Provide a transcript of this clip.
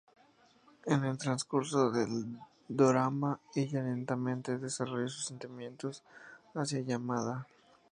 En el transcurso del dorama, ella lentamente desarrolla sentimientos hacia Yamada.